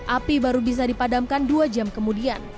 api baru bisa dipadamkan dua jam kemudian